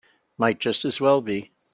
Might just as well be.